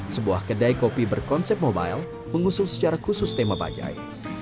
sebuah kedai kopi berkonsep mobile mengusung secara khusus tema bajai